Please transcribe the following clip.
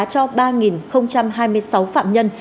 cho ba hai mươi sáu phạm nhân